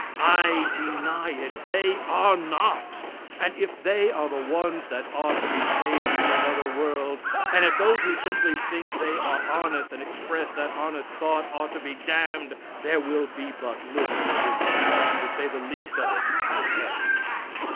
I deny it. They are not. And if they are the ones that are to be saved in another world, and if those who simply think they are honest, and express that honest thought, are to be damned, there will be but little originality, to say the least of it, in heaven.